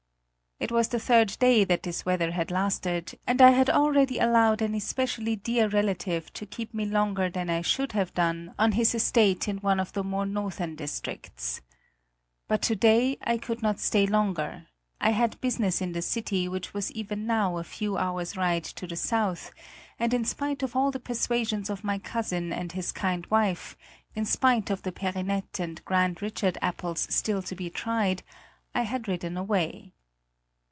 It was the third day that this weather had lasted, and I had already allowed an especially dear relative to keep me longer than I should have done on his estate in one of the more northern districts. But to day I could not stay longer. I had business in the city which was even now a few hours' ride to the south, and in spite of all the persuasions of my cousin and his kind wife, in spite of the Perinette and Grand Richard apples still to be tried, I had ridden away.